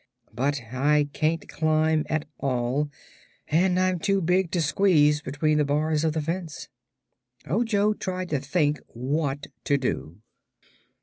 But I can't climb at all, and I'm too big to squeeze between the bars of the fence." Ojo tried to think what to do.